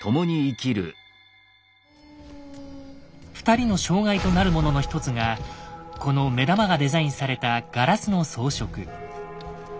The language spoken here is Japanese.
２人の障害となるものの一つがこの目玉がデザインされたガラスの装飾。